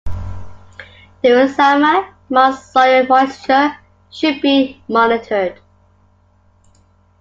During summer months soil moisture should be monitored.